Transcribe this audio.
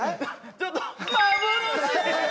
ちょっと。